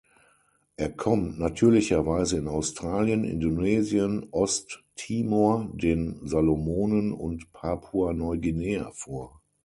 Er kommt natürlicherweise in Australien, Indonesien, Osttimor, den Salomonen und Papua-Neuguinea vor.